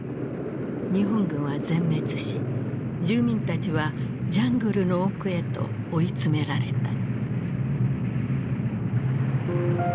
日本軍は全滅し住民たちはジャングルの奥へと追い詰められた。